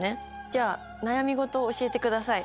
じゃあ悩み事を教えてください。